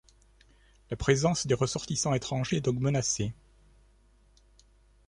La présence des ressortissants étrangers est donc menacée.